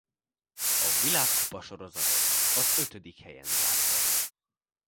A Világkupa-sorozatot az ötödik helyen zárta.